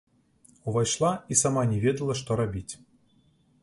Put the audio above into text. Увайшла і сама не ведала, што рабіць.